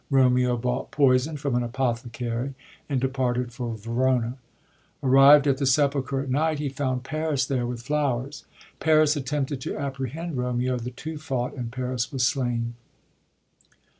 Romeo bought poison from an apothecary, and departed for Verona. Arrived at the sepulchre at night, he found Paris there with flowers^ Paris attempted to apprehend Romeo ; the two fought, and Paris was slain.